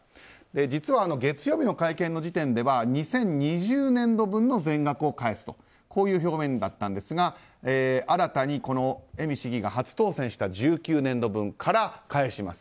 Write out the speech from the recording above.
実は月曜日の会見の時点では２０２０年度分の全額を返すという表明だったんですが新たに、恵美市議が初当選した１９年度分から返します。